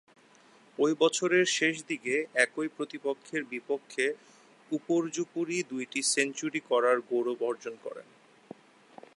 ঐ বছরের শেষদিকে একই প্রতিপক্ষের বিপক্ষে উপর্যুপরী দুইটি সেঞ্চুরি করার গৌরব অর্জন করেন।